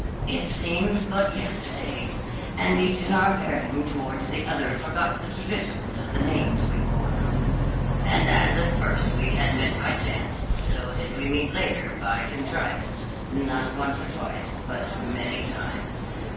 It seems but yesterday! and each in our bearing towards the other forgot the traditions of the names we bore. And as at first we had met by chance, so did we meet later by contrivance, not once or twice, but many times.